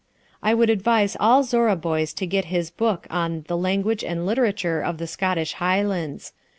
"I would advise all Zorra boys to get his book on 'The Language and Literature of the Scottish Highlands.'